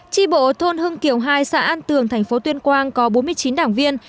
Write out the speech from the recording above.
tri bộ thôn hưng kiều hai xã an tường tp tuyên quang có bốn mươi chín đảng viên